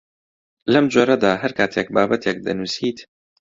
لەم جۆرەدا هەر کاتێک بابەتێک دەنووسیت